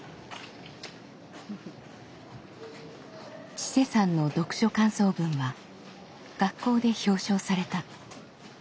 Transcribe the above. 千青さんの読書感想文は学校で表彰された。